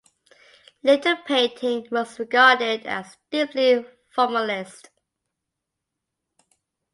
Later the painting was regarded as deeply formalist.